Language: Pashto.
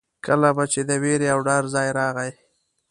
کله به چې د وېرې او ډار ځای راغی.